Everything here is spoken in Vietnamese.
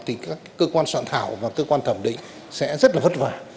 thì các cơ quan soạn thảo và cơ quan thẩm định sẽ rất là vất vả